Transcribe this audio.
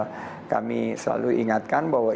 jadi kami selalu ingatkan bahwa